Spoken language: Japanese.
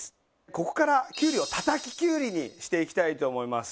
ここからきゅうりを叩ききゅうりにしていきたいと思います。